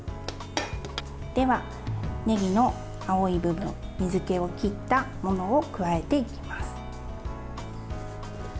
では、ねぎの青い部分水けを切ったものを加えていきます。